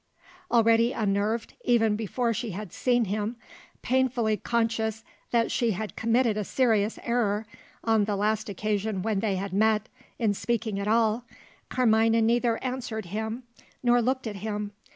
Already unnerved, even before she had seen him painfully conscious that she had committed a serious error, on the last occasion when they had met, in speaking at all Carmina neither answered him nor looked at him.